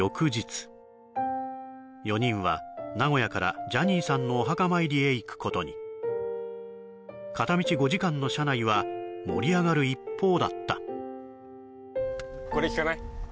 ４人は名古屋からジャニーさんのお墓参りへ行くことに片道５時間の車内は盛り上がる一方だったこれ聴かない？